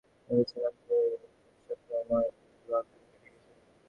খুব একটা ভালো না লাগলেও ভেবেছিলাম সেই দুঃস্বপ্নময় দিনগুলো অন্তত কেটে গিয়েছে।